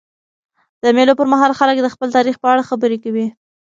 د مېلو پر مهال خلک د خپل تاریخ په اړه خبري کوي.